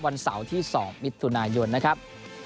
วันเสาร์ที่๒มิถุนายนนะครับ